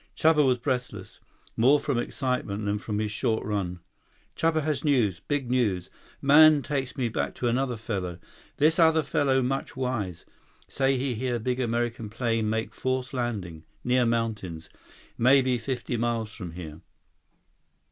Chuba was breathless, more from excitement than from his short run. "Chuba has news. Big news. Man takes me back to another fellow. This other fellow much wise. Say he hear big American plane make force landing. Near mountains. Maybe fifty miles from here."